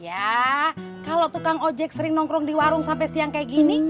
ya kalau tukang ojek sering nongkrong di warung sampai siang kayak gini